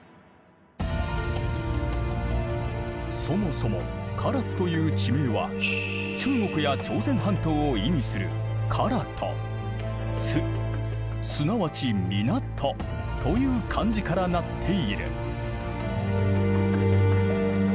そもそも唐津という地名は中国や朝鮮半島を意味する「唐」と「津」すなわち港という漢字からなっている。